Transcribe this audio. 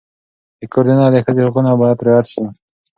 د کور دننه د ښځې حقونه باید رعایت شي.